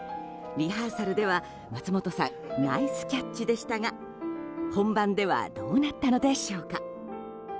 リハーサルでは松本さんナイスキャッチでしたが本番ではどうなったのでしょうか。